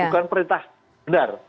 bukan perintah benar